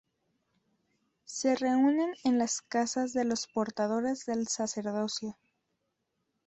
Se reúnen en las casas de los portadores del sacerdocio.